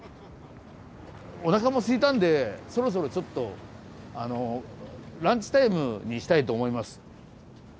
おなかもすいたんでそろそろちょっとランチタイムにしたいと思います。